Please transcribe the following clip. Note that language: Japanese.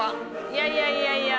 いやいやいやいや。